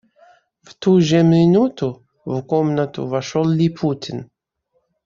В ту же минуту в комнату вошел Липутин.